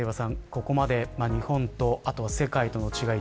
ここまで日本と世界との違い